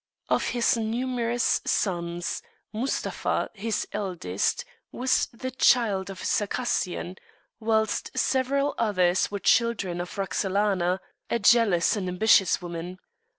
Of his numerous sons Mustapha, his eldest, was the child of a Circassian, whilst several others were children of Roxelana, a jealous and ambitious woman.